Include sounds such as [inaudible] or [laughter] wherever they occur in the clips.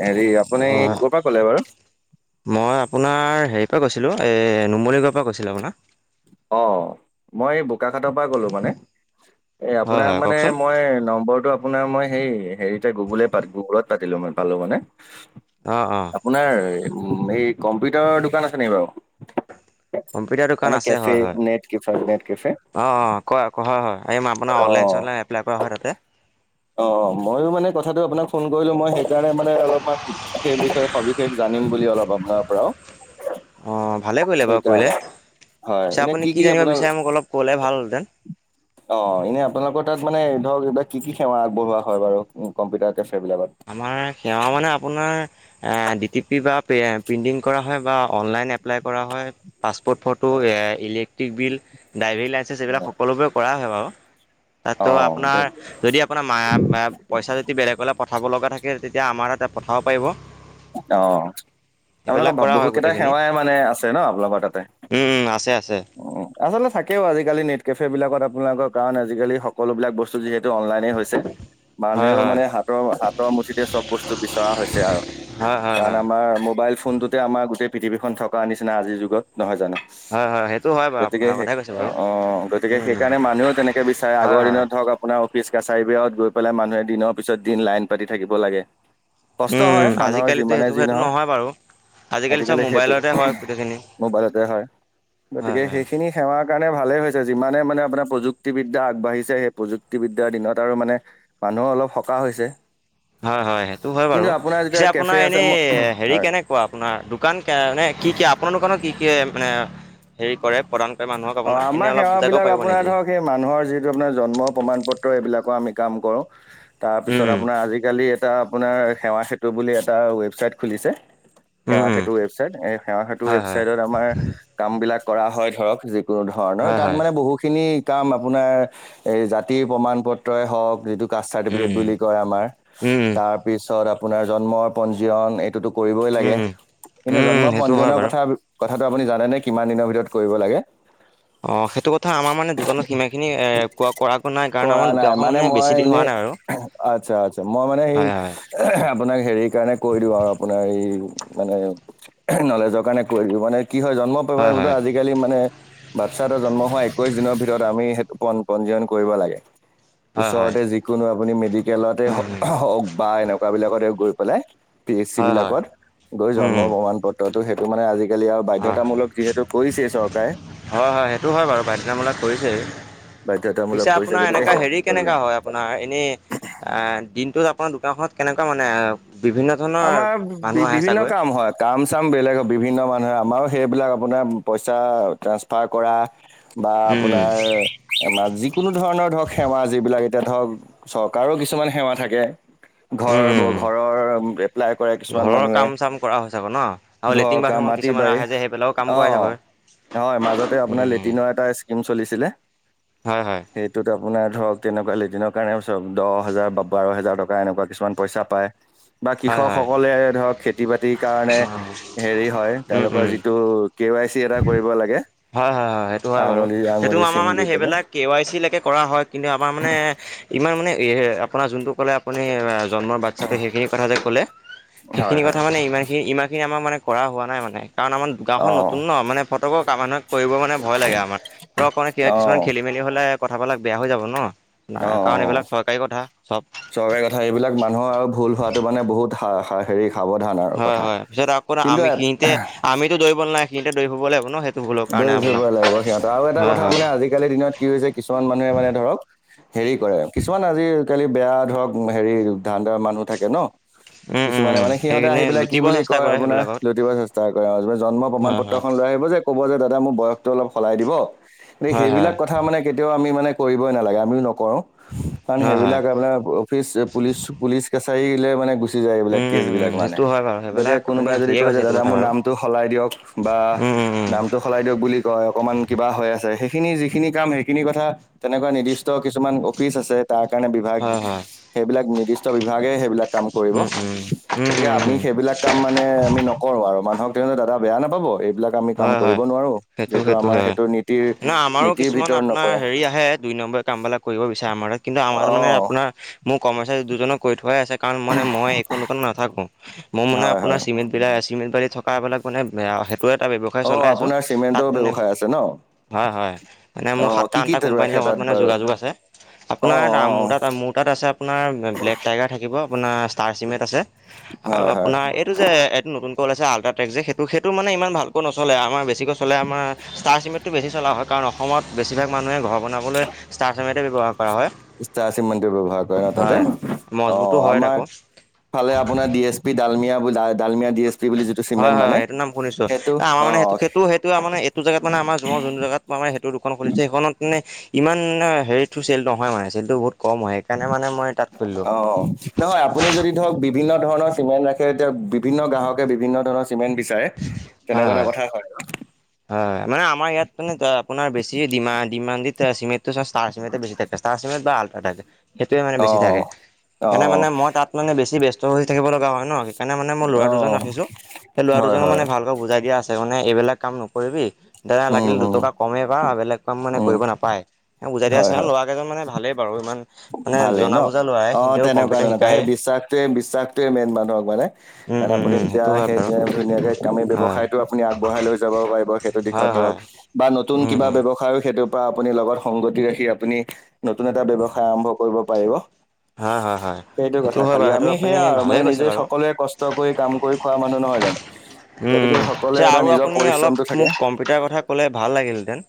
হেৰি আপুনি অঁ ক'ৰ পৰা কলে বাৰু মই আপোনাৰ হেৰিৰ পৰা কৈছিলোঁ এই নুমলীগড়ৰ পৰা কৈছিলোঁ। আপোনাৰ অঁ, মই এই বোকাখাটৰ পৰা কলো মানে। এই হয় আপোনাক হয় মানে কওকচোন মই নম্বৰটো, আপোনাৰ মই সেই হেৰিতে গুগুল গুগুলত পাতিলো মানে পালো মানে। অ অ, আপোনাৰ এই কম্পিউটাৰৰ দোকান আছে নেকি বাৰু- কম্পিটাৰটো দোকান মানে আছে কেফে হয় হয় নেট কেফে নেট কেফে অ অ কোৱা হয় হয় আপোনাৰ অনলাইন অ', চনলাইন, এপ্লাই কৰা হয় তাতে। অ মইয়ো মানে কথাটো আপোনাক, ফোন কৰিলো মই সেইকাৰণে মানে অলপমান সেই বিষয়ে সবিশেষ জানিম, বুলি অলপ আপোনাৰ পৰাও। অ ভালে কৰিলে বাৰু কৰিলে সেইকাৰণে হয় পিছে এনে আপুনি কি জানিব আপোনাৰ বিচাৰে মোক অলপ কলে ভাল হল হেতেন। অ এনে আপোনালোকৰ তাত মানে ধৰক এইবিলাক কি কি, সেৱা আগবঢ়োৱা হয় বাৰ কম্পিউটাৰ কেফে বিলাকত। আমাৰ সেৱা মানে, আপোনাৰ ডি টি পি বা প্ৰিটিং কৰা হয় বা অনলাইন এপ্লাই কৰা হয়। পাছপোৰ্ট ফটো এ ইলেক্ট্ৰিক বিল ড্ৰাইভিং লাই এইবিলাক সকলোবোৰে কৰা হয় বাৰু অ তাতো আপোনাৰ দিয়ক যদি আপোনাৰ মায় পইচা যদি বেলেগলে পঠাব লগা থাকে তেতিয়া আমাৰ তাতে পঠাব পাৰিব। অ সেইবিলাক আপোনালোকৰ কৰা হয় বহুত কেইটা গোটেইখিনি সেৱাই মানে আছে ন আপোনালোকৰ তাতে উম উম আছে আছে উ, আচলতে থাকেও আজিকালি নেট কেফে বিলাকত আপোনালোকৰ কাৰণ আজিকালি সকলোবিলাক বস্তু যিহেতু অনলাইনেই, হয় মানুহেও হয় মানে হাতৰ হাতৰ মুঠিতে চব বস্তু বিচৰা হৈছে আৰু হয় হয় কাৰণ হয় আমাৰ মোবাইল ফোনটোতে আমাৰ গোটেই পৃথিৱীখন থকা নিচিনা আজিৰ যুগত নহয় জানো। হয় হয় সেইটো হয় বাৰু গতিকে ভাল সেই কথাই কৈছে বাৰু অ গতিকে উম সেইকাৰণে মানুহও তেনেকে বিচাৰে হয় আগৰ হয় দিনত ধৰক আ আপোনাৰ অফিচ কাছাৰী বিলাকত গৈ পেলাই মানুহে দিনৰ পিছত দিন লাইন পাতি থাকিব লাগে কষ্ট উম হয়। মানুহৰ আজিকালিতো যিমানে সেইটো যি সেইটো নহওক। নহয় বাৰু চব আজিকালি সেইটো মোবাইলতে হয় গোটেইখিনি মোবাইলতে হয় হয় গতিকে হয় সেইখিনি। সেৱাৰ কাৰণে ভালেই হৈছে যিমানে মানে আপোনাৰ প্ৰযুক্তিবিদ্যা আগবাঢ়িছে সেই প্ৰযুক্তিবিদ্যাৰ দিনত আৰু মানে। মানুহৰ অলপ সকাহ হৈছে। হয় হয় সেইটো হয় কিন্তু বাৰু আপোনাৰ পিছে যেতিয়া কেফে আপোনাৰ আছে এনেই ম হেৰি হয় কেনেকে। কোৱা আপোনাৰ দোকান নে কি কি আপোনাৰ দোকানত কি কি মানে হেৰি কৰে প্ৰদান, কৰে মানুহক অ আপোনাৰ এনেই আমাৰ অলপ সেৱা বুজাব বিলাক পাৰিব আপোনাৰ নেকি ধৰক। মানুহৰ যিটো আপোনাৰ জন্ম প্ৰমাণ পত্ৰ এইবিলাকৰ আমি কাম কৰো। উম উম তাৰপিছত আপোনাৰ আজিকালি এটা আপোনাৰ সেৱা সেতু বুলি এটা ওৱেবচাইট খুলিছে। উম সেৱা উম সেতু ওৱেবচাইট এই সেৱা সেতু হয় হয় ওৱেবচাইটত আমাৰ কাম বিলাক কৰা হয় ধৰক। কোনো ধৰণৰ হয় তাত হয় মানে বহুখিনি। কাম আপোনাৰ এই জাতিৰ প্ৰমাণ পত্ৰই হওক যিটো, কাচ চাৰ্টিফিকেট উম বুলি কয় আমাৰ উম তাৰপিছত জন্মৰ পঞ্জিয়ন এই এইতো কৰিবই উম উম লাগে উম কিন্তু উম জন্ম উম সেইটো হয় পঞ্জীয়নৰ বাৰু কথা। কথাটো আপুনি জানেনে কিমান দিনৰ ভিতৰত কৰিব লাগে। অ সেইটো কথা আমাৰ মানে দোকানত সিমান খিনি এ কোৱা কৰাকো নাই কাৰণ কৰা আমাৰ নাই দোকানখন মানে মই বেছি দিন হোৱা এনেই নাই আৰু আচ্ছা আচ্ছা মই মানে সেই হয় হয় আপোনাক হেৰি কাৰণে কৈ দিওঁ আৰু আপোনাৰ এই মানে নলেজৰ কাৰণে কৈ দিয়ো মানে কি হয় জন্ম হয় প্ৰমাণপত্ৰ আজিকালি মানে বাচ্ছা এটা জন্ম হোৱা একৈশ দিনৰ ভিতৰত আমি সেইটো প পঞ্জীয়ন কৰিব লাগে। হয় হয় হয় ওচৰতে যিকোনো আপুনি মেডিকেলতে উম উম হওক বা এনেকুৱা বিলাকতে গৈ পেলাই। পি এইচ চি হয় হয় বিলাকত গৈ উম জন্ম উম প্ৰমাণ পত্ৰ তো সেইটো মানে আজিকালি আৰু হয় হয় বাধ্যতামূলক যিহেতু কৰিছেই চৰকাৰে। হয় হয় সেইটো হয় বাৰু বাইধতামূলক কৰিছেই বাধ্যতামূলক পিছে কৰিছে আপোনাৰ গতিকে এনেকুৱা হেৰি সেই কেনেকুৱা হয়। আপোনাৰ এনেই দিনটোত আপোনাৰ দোকানখনত কেনেকুৱা মানে বিভিন্ন, ধৰণৰ আমাৰ বি মানুহ আহে বিভিন্ন চাগৈ কাম হয়ক কাম চাম বেলেগ বিভিন্ন মানুহে আমাৰো সেইবিলাক আপোনাৰ পইচা ট্ৰেঞ্চপাৰ কৰা বা উম আপোনাৰ আমাৰ যিকোনো ধৰণৰ ধৰক সেৱা যিবিলাক এতিয়া ধৰক চৰকাৰো কিছুমান সেৱা থাকে ঘৰ উম উম ঘৰৰ এপ্লাই কৰে কিছুমান ঘৰৰ মানুহে কাম চাম কৰা হয় চাগৈ ন আৰু লেট্ৰিন ঘৰকা বাথৰুমত মাটি কিছুমান বাৰী আহে যে সেই পেলাইও কাম অ কৰাই চাগৈ হয় মাজতে আপোনাৰ উম লেট্ৰিনৰ এটা স্কীম চলিছিলে। হয় হয় সেইটোত আপোনাৰ ধৰক তেনেকুৱা লেট্ৰিনৰ কাৰণে চক দহ হেজাৰ বা বাৰ হেজাৰ টকা এনেকুৱা কিছুমান পইচা পায় বা হয় হয় কৃষকসকলে ধৰক খেতি বাতিৰ কাৰণে হেৰি হয় উম তেওঁলোকৰ উম যিটো কে ৱাই চি এটা কৰিব লাগে। হয় হয় হয় সেইটো হয় বাৰু আঙুলি সেইটো আঙুলি আমাৰ চিন দি মানে পেলাই সেইবিলাক কে ৱাই চি লৈকে কৰা হয় কিন্তু আমাৰ মানে ইমান মানে এ আপোনাৰ যোনটো ক'লে আপুনি জন্মৰ বাচ্ছাটো সেইখিনি কথা যে ক'লে হয় সেইখিনি হয় কথা মানে ইমান খিনি ইমান খিনি আমাৰ মানে কৰা হোৱা নাই মানে কাৰণ আমাৰ অ গাঁওখন নতুন ন মানে ফটক মানুহে কৰিব মানে ভয় লাগে আমাৰ ধৰক অ কিছুমান খেলি অ মেলি হলে কথাফালাক বেয়া হৈ যাব ন। অ নাই কাৰণ এইবিলাক চৰকাৰী কথা চব চৰকাৰী কথা এইবিলাক মানুহৰ আৰু ভুল হোৱাটো মানে বহুত হা হা হেৰি সাৱধান আ হয় হয় পিছত আকৌ এটা আমি সিহঁতে আমিতো দৌৰিব নেলাগে সিহঁতে দৌৰি ফুৰিব লাগিব ন ভুলৰ কাৰণে দৌৰি ফুৰিব আপোনাৰ লাগিব সিহঁতে আৰু এটা হয় কথা হয় মানে আজিকালিৰ দিনত কি হৈছে কিছুমান মানুহে মানে ধৰক হেৰি কৰে কিছুমান আজি কালি বেয়া ধৰক হেৰি ধান্দা মানুহ থাকে ন উম উম কিছুমানে উম মানে সিহঁতে সেইখিনি আহি পেলাই কি লুটিব বুলি চেষ্টা কয় কৰে আপোনাৰ সেইবিলাকত লোতিব চেষ্টা কৰে আৰু জন্ম প্ৰমাণ হয় হয় পত্ৰখন লৈ আহিব যে ক'ব যে দাদা মোৰ বয়সটো অলপ সলাই দিব হয় সেইবিলাক হয় কথা মানে কেতিয়াও আমি মানে কৰিবই নালাগে আমিও নকৰো কাৰণ হয় হয় সেইবিলাক আপোনাৰ পিচ পুলিচ পুলিচ কাছাৰীলে মানে গুচি যায় এইবিলাক উম কেচ উম বিলাক উম মানে সেইটো হয় বাৰু গতিকে সেইবিলাক আপুনি কোনোবাই যদি ঠিকে কয় যে কৈছে এইটো দাদা কথা মোৰ বাৰু নামটো সলাই দিয়ক বা উম উম উম নামটো সলাই দিয়ক বুলি কয় অকণমান কিবা হৈ আছে সেইখিনি যিখিনি কাম সেইখিনি কথা তেনেকুৱা নিৰ্দিষ্ট কিছুমান অফিচ আছে তাৰ কাৰণে বিভাগ হয় হয় সেইবিলাক নিৰ্দিষ্ট বিভাগে সেইবিলাক কাম কৰিব, উম উম উম গতিকে উম আমি উম সেইবিলাক কাম মানে আমি নকৰো আৰু মানুহক তেওঁ দাদা বেয়া নাপাব এইবিলাক আমি কাম হয় হয় কৰিব নোৱাৰোঁ সেইটো যিহেতু সেইটো আমাৰ হয় নীতিৰ ন আমাৰো নীতিৰ কিছুমান ভিতৰত আপোনাৰ নপৰে হেৰি আহে দুই নম্বৰিয়া কামবিলাক কৰিব বিচাৰে আমাৰে কিন্তু আমাৰ তাত মানে অঁ আপোনাৰ মোৰ কৰ্মচাৰী দুজনক কৈ থোৱাই আছে কাৰণ মানে মই এইখন দোকান নাথাকো মই মানে হয় আপোনাৰ হয় চিমিত বিলায় চিমেণ্ট বালি থকা এই বিলাক মানে সেইটো এটা ব্যৱসায় অঁ চলাই আছোঁ আপোনাৰ তাত চিমেণ্টৰ মানে ব্যৱসায় আছে ন হয় হয় মানে মোৰ অঁ সাতটা কি কি আঠটা কোম্পানীৰ ৰাখে লগত তাত মানে বাৰু যোগাযোগ আছে আপোনাৰ অঁ অঁ মোৰ তাত মোৰ তাত আছে আপোনাৰ ব্লেক টাইগাৰ থাকিব আপোনাৰ ষ্টাৰ চিমেণ্ট আছে আৰু হয় হয় আপোনাৰ এই এইটো যে এইটো নতুনকে ওলাইছে আল্ট্ৰাটেক যে সেইটো সেইটো মানে ইমান ভালকৈ নচলে আমাৰ বেছিকৈ চলে আমাৰ ষ্টাৰ চিমেন্ট টো বেছি চলা হয় কাৰণ অসমত বেছিভাগ মানুহে ঘৰ বনাবলৈ ষ্টাৰ চিমেণ্ট ব্যৱহাৰ কৰা হয়। ষ্টাৰ চিমেণ্টটো ব্যৱহাৰ কৰে ন তাতে হয় অ মজবুতো হয় আমাৰ তাকো ফালে আপোনাৰ D S P Dalmia Dalmia D S P বুলি যি হয় হয় সেইটো নাম শুনিছো আমাৰ মানে সেইটো সেইটো এইটো জেগাত আমাৰ মানে যোনটো মই যোনটো জেগাত মানে সেইটো দোকান খুলিছে সেইখনত মানে ইমান হেৰিতো চেল নহয় মানে চেল টো বহুত কম হয় সেইকাৰণে মানে মই তাত খুলিলোঁ। অ নহয় আপুনি যদি ধৰক বিভিন্ন ধৰণৰ চিমেণ্ট ৰাখে এতিয়া বিভিন্ন গ্ৰাহকে বিভিন্ন ধৰণৰ চিমেণ্ট বিচাৰে তেনেকুৱা এটা কথা হয় হয় মানে আমাৰ ইয়াত মানে আপোনাৰ বেছি ডিমা ডিমানডিট চিমেন্টটো ষ্টাৰ চিমেণ্ট বেছিটে ষ্টাৰ চিমেন্ট বা আলতা টাই টেট সেইটোৱে মানে বেছি থাকে অ', সেইকাৰণে অ', মানে মই তাত মানে বেছি ব্যস্ত হৈ থাকিব লগা হয় ন। সেইকাৰণে মানে মই লৰা দুজন অ', ৰাখিছো সেই ল'ৰা হয়, দুজনক হয়, মানে ভালকৈ বুজাই দিয়া আছে এইবিলাক কাম ন- কৰিবি দাদা উম, লাগিল উম, দুটকা কমেই পা আৰু বেলেগ কাম মানে উম, কৰিব নাপায় বুজাই দিয়া হয়, আছে হয়, ল'ৰা কেইজন মানে ভালেই বাৰু ইমান মানে ভালেই ন জনা বুজা ল'ৰাই অ সিহঁতেও তেনেকুৱা কম্পিউটাৰ তেনেকুৱা সেই শিকায়ে বিশ্বাসটোৱে বিশ্বাসটোৱে মেইন মানুহক মানে উম কাৰণ উম আপুনি উম এতিয়া সেইটো হয় সেই বাৰু ধুনীয়াকে কামি হয় ব্যৱসায়টো আগবঢ়াই লৈ যাব পাৰিব সেইটো দিশত হয় হয় ধৰক বা নতুন উম কিবা উম ব্যৱসায় সেইটো আপুনি লগত সংগতি ৰাখি আপুনি নতুন এটা ব্যৱসায় আৰম্ভ কৰিব পাৰিব। হয় হয় হয় সেইটো কথা হয় খালি বাৰু সেইটো আমি আপুনি সেয়া আৰু মানে ভালেই কৈছে নিজে বাৰু সকলোৱে কষ্ট কৰি কাম কৈ খোৱা মানুহ নহয় জানো। উম গতিকে সকলোৱে পিছে এটা আৰু নিজৰ আপুনি অলপ পৰিশ্ৰমটো থাকে মোক কম্পিউটাৰ কথা ক'লে ভাল লাগিলেঁতেন।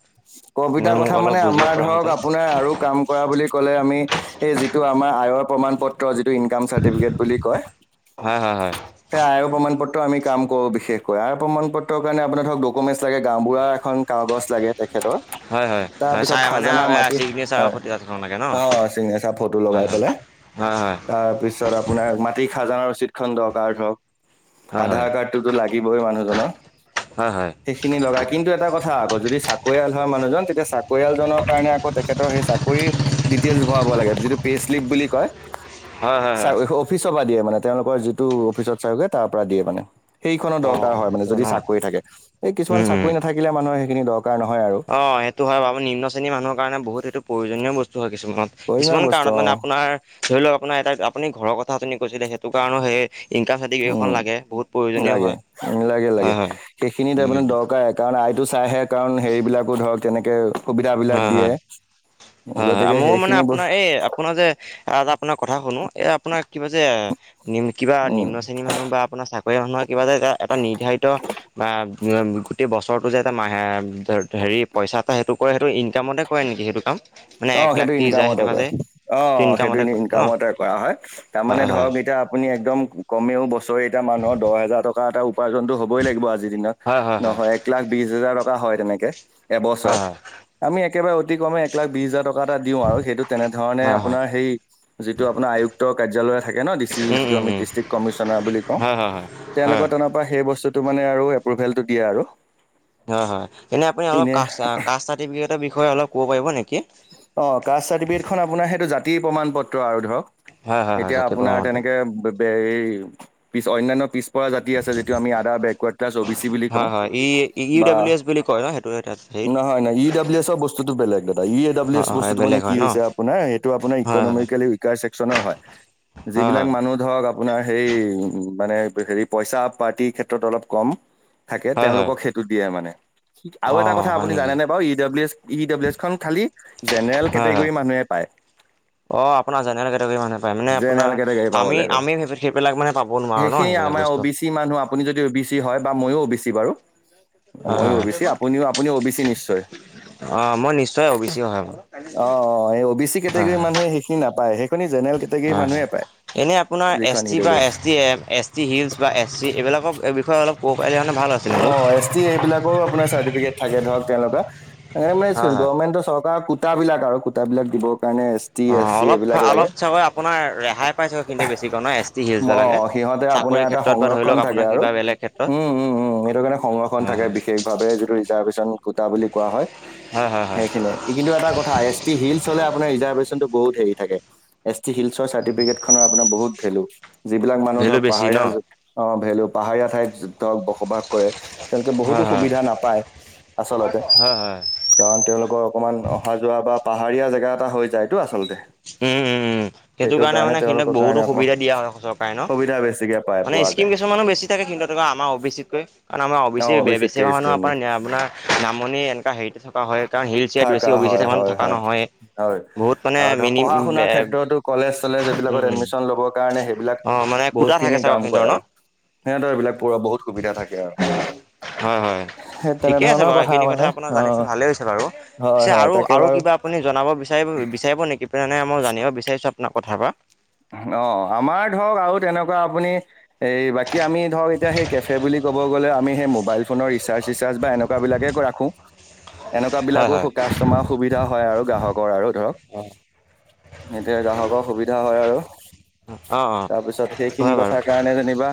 কবিতা কথা মানে আমাৰ ধৰক আপোনাৰ আৰু কাম কৰা বুলি ক'লে আমি এই যিটো আমাৰ আয়ৰ প্ৰমাণ পত- ত্ৰ যিটো ইনকাম চাৰ্টিফিকেট বুলি কয় হয়, হয়, হয়, সেই আইৰ প্ৰমাণ পত্ৰ আমি কাম কৰো। বিশেষকৈ আইৰ প্ৰমাণ পত্ৰ কাৰণে আপোনাৰ দকমেছ গাঁও বুঢ়া এখন কাগছ লাগে তেখেতৰ। হয় হয় হয় তাৰপিছত চাৰে মানে খাজানা মাটি চিগনেচাৰ হয় সৈতে আৰ চি খন লাগে ন অ চিগনেচাৰ ফটো হয় হয়। হয় হয়। ছৰ আপোনাৰ মাটিৰ খাজানা ৰচিদ খন দৰকাৰ ধৰক। হয়, হয়, আধাৰ কাৰ্ডটো লাগিবই মানুহজনৰ। হয়, হয়, সেইখিনি লগাই কিন্তু এটা কথা আকৌ যদি চা- কৰিয়াল হয় মানুহজন তেতিয়া চাকৰিয়াল জনৰ কাৰণে আকৌ তেখেতৰ সেই চাকৰি ডিটেইলছ ভৰাব লাগে যিটো পেজ শ্লিপ বুলি কয়। হয়, হয়, চা হয়, অফিচৰ পৰা দিয়ে মানে তেওঁলোকৰ যিটো অফিচত চাৰভে তাৰ পৰা দিয়ে মানে। সেইখনৰ দৰকাৰ অ', হয় মানে। সেইটো যদি ন? চাকৰি থাকে এই কিছুমান উম, উম, চাকৰি নাথাকিলে মানুহৰ সেইখিনি দৰকাৰ নহয় আৰু। অ সেইটো হয় বাৰু নিম্ন শ্ৰেণীৰ মানুহৰ কাৰণে বহুত সেইটো প্ৰয়োজনীয় বস্তু হয় কিছুমানত। প্ৰয়োজনীয় কিছুমান বস্তু কাৰণত অ মানে আপোনাৰ ধৰি লওঁক আপোনাৰ এ আপুনি ঘৰৰ কথা শুনি কৈছিলে সেইটো কাৰণেও সে- উম লাগে হয়, উ লাগে লাগে হয়, হয়, সেইখিনি তাৰ মানে উম, দৰকাৰ এক কাৰণ আইটো চাইহে কাৰণ হেৰি বিলাকো ধৰক তেনেকে সুবিধা বিলাক হয়, হয়। দিয়ে। হয় হয় গতিকে ময়ো মানে সেইখিনি আপোনাৰ বস্ত- এই আপোনাৰ যে আপোনাৰ কথা শুনো এ আপোনাৰ কিবা যে নিম কিবা উম নিম্ন শ্ৰেণী মানুহ বা আপোনা চাকৰি মানুহৰ কিবা যে এ এটা নিৰ্ধাৰিত বা গোটেই বছৰটো যে এটা হেৰি পইচা এটা সেইটো কৰে সেইটো ইনকামতে কৰে নেকি সেইটো কাম। মানে অ এক লাখ সেইটো ত্ৰিছ হাজাৰ ইনকামতে সেনেকুৱা কয়, যে অ সেইটো ইনকামতে কৰে ন ইনকামতে কৰা হয়। তাৰমানে হয় হয় ধৰক এতিয়া আপুনি একদম কমেও বছৰে এতিয়া মানুহৰ দহ হোজাৰ টকা এটা উপাৰ্জনতো হ'বই লাগিব। আজিৰ দিনত হয় হয় হয় নহয়, এক লাখ বিশ হাজাৰ টকা হয় তেনেকে হয় এবছৰত হয় আমি একেবাৰে অতি কমেও একলাখ বিশ হাজাৰ টকা এটা দিও আৰু সেইটো তেনেধৰণে হয় হয় আপোনাৰ সেই যিটো আপোনাৰ আয়ুক্ত কাৰ্যালয়ে থাকে ন ডিচ- উম টিউচ টো উম আমি উম দিছটিক কমিছনাৰ বুলি কও, হয় হয় হয় হয় তেওঁলোকে টানব সেই বস্তুতটো মানে আৰু এপ্ৰোভেলটো দিয়ে আৰু। হয় হয় এনে আপুনি অলপ কাষ্ট কাষ্ট চাৰ্টিফিকেটৰ বিষয়ে অলপ ক'ব পাৰিব নেকি? অহ কাচ চাৰ্টিফিকেটখন আপোনাৰ সেইটো জাতি প্ৰমাণ পত্ৰ আৰু ধৰক। হয় হয় হয় এতিয়া জাতীয় আপোনাৰ প্ৰমাণপত্ৰ তেনেকে বে বে এই পিছ অন্যান্য পিছপৰা জাতি, দি আছে যিতো আমি other backward class O B C বুলি কওঁ বা, সেইটোহে তাত হেৰিত নহয় ন ই ডাব্লউ এছৰ বস্তুত বেলেগ ই এ ডাব্লিউ হয় এছ হয় বস্তুতটো মানে বেলেগ কি হয় ন হৈছে আপোনাৰ সেইটো আপোনাৰ হয় হয় ইকনমিকেলি উইকাৰ ছেকচনৰ হয়। যি হয় হয় বিলাক মানুহ, ধৰক আপোনাৰ সেই উ মানে হেৰি পইচা পাতি ক্ষেত্ৰত অলপ কম, থাকে হয় হয় তেওঁলোকক সেইটো দিয়ে মানে আৰু অ এটা কথা হয় আপুনি নেকি জানে বাৰু E W S E W S খন খালী জেনেৰেল হয় হয় কেটেগৰী মানুহে পায়। অ আপোনাৰ জেনেৰেল কেটেগৰী মানুহে পায় মানে জেনেৰেল আপোনাৰ কেটেগৰী পাব আমি লাগিব আমি সেই সেই বিলাক মানে পাব ক'ব নোৱাৰো ন সেইবিলাক বস্তু। এচ টি মানুহ আপুনি যদি অও বি চি হয় বা ময়োও অও বি চি বাৰু হয় মইয়ো অও হয় বি চি আপুনিও আপুনিও অও বি চি নিশ্চয়। অহ মই নিশ্চয় অ বি চি হয় হয় অহ অহ এই অও বি চি কেটেগৰী মানুহে সেইখিনি নাপায় সেইখনি জেনেৰেল। কেটেগৰীৰ অহ মানুহে পায় এনেই আপোনাৰ যিখন এছ ই টি বা ডব্লিউ এছ টি এ এছ টি হিলছ বা এছ চি এইবিলাকৰ বিষয়ে অলপ ক'ব পাৰিলে কাৰণে ভাল আছিলে মোক। যে এই বিলাকৰ আপোনাৰ চাৰ্টিফিকেট থাকে ধৰক তেনেকুৱা আহ হয় হয় গভৰ্মেন্ত, চৰকাৰ, কূতাবিলাক আৰু কূতাবিলাক দিবৰ কাৰণে। টি অহ এছ চি অলপ এইবিলাক লাগে অলপ চাগৈ আপোনাৰ ৰেহাই পাই চাগৈ কিন্তু বেছি এছ টি হিলচ অ' বিলাকে। সিহঁতে আপোনাৰ এটা সংৰক্ষণ থাকে আৰু বেলেগ ক্ষেত্ৰত। উম উম উম। সেইটো কাৰণে সংৰক্ষণ হয়, থাকে হয়, বিশেষভাৱে যিটো ৰিজাৰ্ভেশ্যন কুটা বুলি কোৱা হয়। হয়, হয় হয়, সেইখিনি, ই কিন্তু এটা কথা এছ টি হিলছ হলে আপোনাৰ ৰিজাৰ্ভেশ্যনটো বহুত হেৰি থাকে এছ টি হিলছৰ চাৰ্টিফিকেট, খনৰ আপোনাৰ বহুত ভেলু যিবিলাক মানুহ ভেলু ধৰক বেছি ন? পাহাৰীয়া। অহ ভেলু পাহাৰীয়া ঠাইত ধৰক বস কৰে তেওঁলোকে বহুতো হয়, হয়, সুবিধা নাপায় আচলতে। হয়, হয়। কাৰণ তেওঁলোকৰ অকমান অহা যোৱা বা পাহাৰীয়া জেগা এটা হৈ যায় টো আচলতে। উম উম উম উম, সেইটো কাৰণে মানে সিহঁত তেওঁলোকৰ বহুতো কাৰণে অকমান সুবিধা দিয়া হয় ন অসম চৰকাৰে ন সুবিধা বেছিকে পাই মানে পোৱা স্কিম যায় কিছুমানো বেছি। বেছি থাকে কিন্তু আমাৰ অও বি চি কৈ কাৰণ আমাৰ অও বি অ চি কে বেছিভাগ মানুহ স্কিম আপোন আপোনাৰ। নামনি এনেকা হেৰিটেজ, অহ হয় কাৰণ এৰিয়াত বেছি থাকা অ' বি চি হয় থকা মানুহ হয় থকা হয় নহয়। হয় হয় বহুত মানে আৰু ধৰক মিনি পঢ়া পঢ়া শুনাৰ ক্ষেত্ৰতো কলেজ চলেজ উম, এইবিলাকত উম, এডমিচন লবৰ কাৰণে সেইবিলাক অ' মানে কোটা থাকে বহুতখিনি চাগৈ কাম সিহঁতৰ কৰে ন? আৰু সিহঁতৰ এই বিলাক পোৱা বহুত সুবিধা থাকে আৰু হয় হয় সেই ঠিকে আছে তেনেধৰণৰ বাৰু এইখিনি কথা মানে আপোনাৰ জানিছো অ', ভালে হৈছে বাৰু হয়, পিছে হয় আৰু তাকে আৰু বাৰু কিবা আপুনি জনাব বিচাৰিব বিচাৰিব নেকি পিছে মই জানিব বিচাৰিছো আপোনাৰ কথা পৰা। অহ আমাৰ ধৰক আৰু তেনেকুৱা আপুনি। এই বাকী আমি ধৰক এতিয়া সেই কেফে বুলি কব গ'লে আমি সেই মোবাইল ফোনৰ ৰিচাৰ্জ চিচাৰ্জ বা এনেকুৱা, এনেকুৱা বিলাকে ৰাখো এনেকুৱা হয় হয় বিলাকো কাষ্টমাৰ, সুবিধা হয় আৰু গ্ৰাহকৰ আৰু ধৰক এতিয়া গ্ৰাহকৰ সুবিধা হয় আৰু অঁ অঁ তাৰপিছত হয় সেইখিনি বাৰু কথা কাৰণে যেনিবা।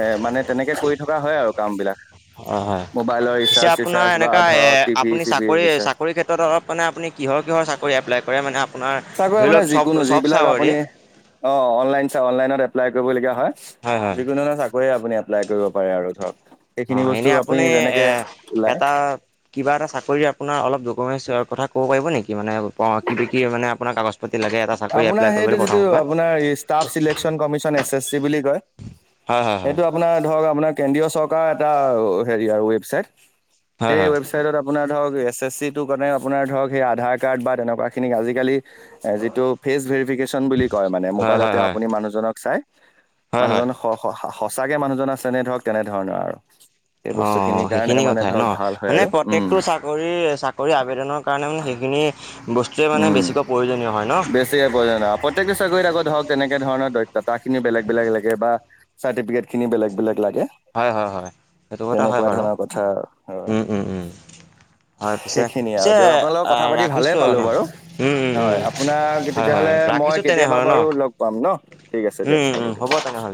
এ মানে তেনেকে কৰি থকা হয় আৰু কাম বিলাক। অহ হয় মোবাইলৰ পিছে ৰিচাৰ্জ আপোনাৰ চিচাৰ্জ বা এনেকা এ ধৰক টিভি আপুনি চিভি চাকৰি ৰিচাৰ্জ। চাকৰি ক্ষেত্ৰত, ক্ষেত্ৰত অলপ মানে আপুনি কিহৰ কিহৰ চাকৰি এপ্লাই কৰে মানে আপোনাৰ চাগৈ ধৰি লওঁক চব চব চাকৰি। অহ অনলাইন চাওঁ অনলাইনত এপ্লাই কৰিবলগীয়া হয় যিকোনো ধৰ চাকৰি, গৈ আপুনি এপ্লাই কৰিব পাৰে আৰু ধৰক সেইখিনি অঁ এনেই বস্তু আপুনি এ যেনেকে ওলাই। এটা কিবা এটা চাকৰিৰ আপোনাৰ অলপ ডকমেণ্টছৰ কথা কব' পাৰিব নেকি মানে পা কিবি কি মানে আপোনাৰ কাগজ কপি লাগে এটা চাকৰি এপ্লাই কৰিবলে প্ৰথমতে ট্ৰাৰ্ফ selection commission S S C বুলি কয় হয় হয় হয় সেইটো আপোনাৰ ধৰক আপোনাৰ কেন্দ্ৰীয় চৰকাৰৰ এটা হেৰি আৰু ৱেবছাইট হয় সেই হয় ৱেবছাইটত আপু' আপোনাৰ ধৰক এছ এছ চি টো কাৰণে আপোনাৰ ধৰক সেই আধাৰ কাৰ্ড বা তেনেকুৱা খিনি আজিকালি এ যিটো ফেচ ফ্ৰেচ ভেৰিকেশ্যচন বুলি কয় মানে হয় হয় মোবাইলতে হয় আপুনি মানুহজনক চাই, হয় হয় মানুহজন স স স স সঁচাকে মানুহজন আছে নে ধৰক তেনেধৰণৰ আৰু সেই অহ বস্তু অহ খিনিৰ কাৰণে সেইখিনি মানে কথাই ন ধৰক ভাল হয় মানে আৰু উম প্ৰত্যেকটো চাকৰি। চাকৰি চাকৰি আবেদনৰ কাৰণে মানে সেইখিনি বস্তু, উম বেছ। [unintelligible] না প্ৰত্যেকটো চাকৰিত আকৌ ধৰক তেনেকে ধৰণৰ দৈত দাতাখিনি বেলেগ বেলেগ লাগে বা চাৰ্টিফিকেট খিনি বেলেগ বেলেগ লাগে হয় হয় হয় সেইটো কথা হয় তেনেকুৱা বাৰু ধৰণৰ কথা হয় উম উম উম হয় পিছে সেইখিনিয়ে আৰু পিছে দিয়ক আপোনাল লগৰ কথা পাতি ভালে ৰাখিছোঁ আৰু পালো ন বাৰু উম উম উম হয় আপোনাক হয় হয় তেতিয়াহ'লে ৰাখিছোঁ মই কেতিয়াবা তেনেহ'লে ন বাৰু লগ পাম ন ঠিক আছে উম দিয়ক থ উম হ'ব তেনেহ'লে